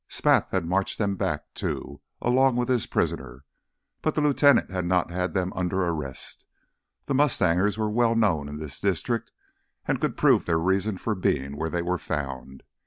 Spath had marched them back, too, along with his prisoner, but the lieutenant had not had them under arrest. The mustangers were well known in this district and could prove their reason for being where they were found.